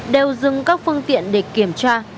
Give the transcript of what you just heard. đều dừng các phương tiện để kiểm tra